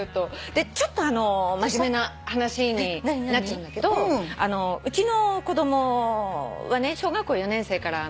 ちょっと真面目な話になっちゃうんだけどうちの子供はね小学校４年生から不登校だったじゃない。